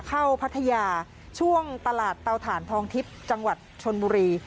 พัทยาช่วงตลาดเตาถ่านทองทิพย์จังหวัดชนบุรี